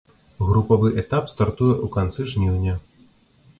Групавы этап стартуе ў канцы жніўня.